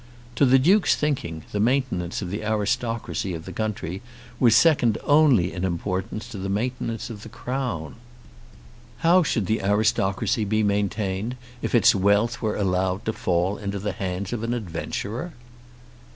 To the Duke's thinking the maintenance of the aristocracy of the country was second only in importance to the maintenance of the Crown. How should the aristocracy be maintained if its wealth were allowed to fall into the hands of an adventurer!